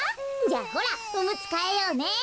じゃあほらおむつかえようね。